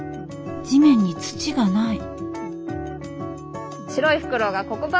地面に土がない。